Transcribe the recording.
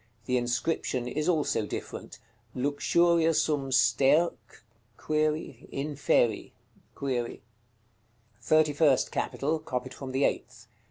The inscription is also different: "LUXURIA SUM STERC^S (?) INFERI" (?). THIRTY FIRST CAPITAL. Copied from the eighth.